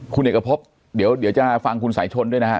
คุณเอกพบเดี๋ยวจะฟังคุณสายชนด้วยนะฮะ